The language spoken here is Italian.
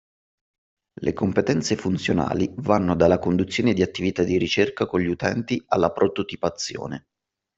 Le competenze funzionali vanno dalla conduzione di attività di ricerca con gli utenti alla prototipazione